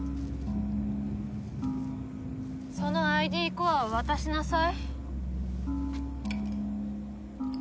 そのＩＤコアを渡しなさい。